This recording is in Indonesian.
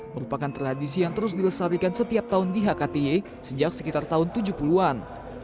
merupakan tradisi yang terus dilestarikan setiap tahun di hkti sejak sekitar tahun tujuh puluh an